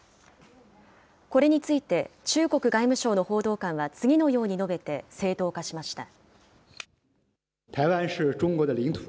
これについて中国外務省の報道官は次のように述べて正当化しました。